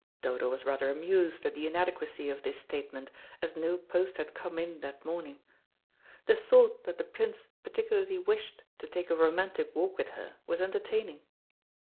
Dodo was rather amused at the inadequacy of this statement, as no post had come in that morning. The thought that the Prince particularly wished to take a romantic walk with her was entertaining.